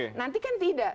nah nanti kan tidak